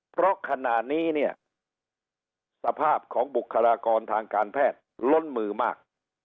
เพราะขณะนี้เนี่ยสภาพของบุคลากรทางการแพทย์ล้นมือมาก